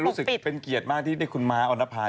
รู้สึกเป็นเกียรติมากที่ได้คุณม้าออนภา